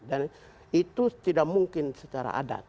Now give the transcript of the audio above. dan itu tidak mungkin secara adat